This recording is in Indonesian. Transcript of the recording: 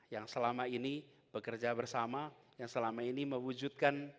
yang selama ini bekerja bersama yang selama ini mewujudkan